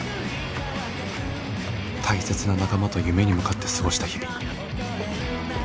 大切な仲間と夢に向かって過ごした日々